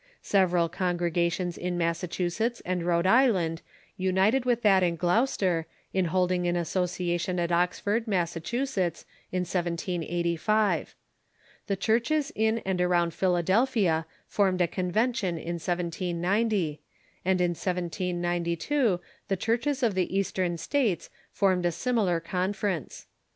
Several congregations in Massachusetts and Rhode Island united with that in Gloucester in holding an associa tion at Oxford, Massachusetts, in 1785. The churches in and around Philadeli)hia formed a convention in 1790, and in 1792 tlie churches of the Eastern States formed a similar confer ence.